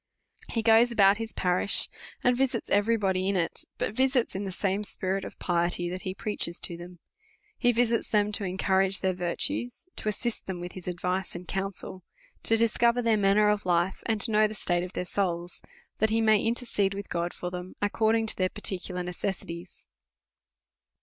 He goes about his parish, and visits every body in it ; but visits in the same spirit of piety that he preaches to them ; he visits them to encourage their virtues, to assist them with his advice and counsel, to discover their manner of life, and to know the state of their souls, that he may intercede with God for them, according to their parti cular necessities.